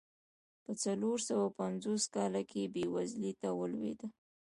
په څلور سوه پنځوس کال کې بېوزلۍ ته ولوېده.